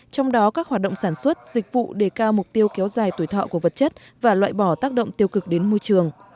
trong đó các hoạt động sản xuất dịch vụ đề cao mục tiêu kéo dài tuổi thọ của vật chất và loại bỏ tác động tiêu cực đến môi trường